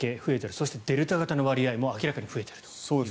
そしてデルタ型の割合も明らかに増えていると。